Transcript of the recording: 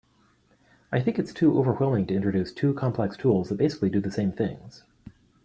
I think it’s too overwhelming to introduce two complex tools that basically do the same things.